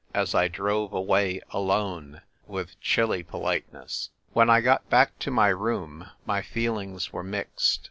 1 93 as I drove away alone, with chilly polite ness. When I got back to my room my feelings were mixed.